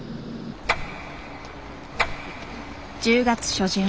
１０月初旬。